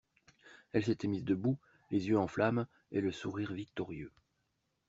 Elle s'était mise debout, les yeux en flammes, et le sourire victorieux.